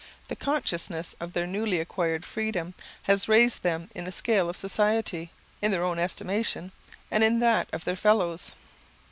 The consciousness of their newly acquired freedom has raised them in the scale of society, in their own estimation, and in that of their fellows.